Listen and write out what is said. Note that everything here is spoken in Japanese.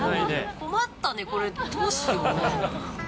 困ったね、これ、どうしよう。